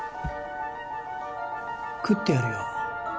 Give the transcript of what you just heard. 喰ってやるよ